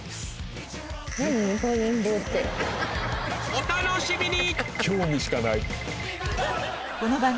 お楽しみに！